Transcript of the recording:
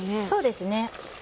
そうですね。